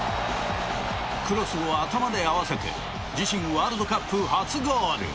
クロスを頭で合わせて自身ワールドカップ初ゴール。